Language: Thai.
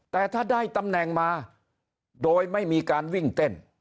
แต่ถ้าได้ตำแหน่งมาโดยไม่มีการวิ่งเต้น